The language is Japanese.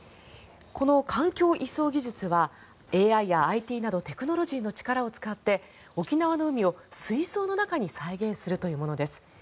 この環境移送技術はＡＩやＩＴなどテクノロジーの力を使って沖縄の海を水槽の中に再現するというものです。